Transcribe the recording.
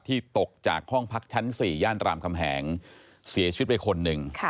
ตกจากห้องพักชั้น๔ย่านรามคำแหงเสียชีวิตไปคนหนึ่ง